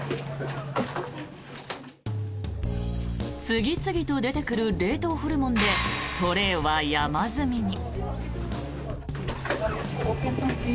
次々と出てくる冷凍ホルモンでトレーは山積みに。